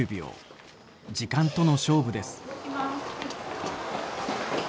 時間との勝負です。